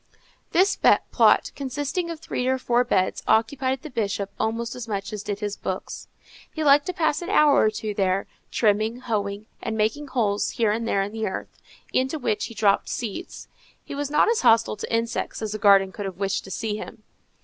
This plot, consisting of three or four beds, occupied the Bishop almost as much as did his books. He liked to pass an hour or two there, trimming, hoeing, and making holes here and there in the earth, into which he dropped seeds. He was not as hostile to insects as a gardener could have wished to see him.